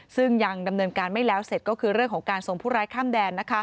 ซึ่งยังดำเนินการไม่แล้วเสร็จก็คือเรื่องของการส่งผู้ร้ายข้ามแดน